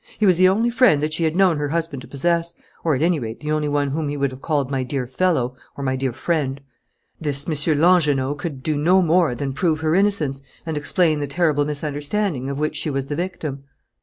He was the only friend that she had known her husband to possess, or at any rate the only one whom he would have called, 'My dear fellow,' or, 'My dear friend,' This M. Langernault could do no more than prove her innocence and explain the terrible misunderstanding of which she was the victim."